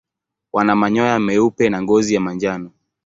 Wana manyoya meupe na ngozi ya manjano.